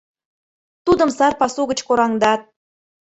Тудым сар пасу гыч кораҥдат.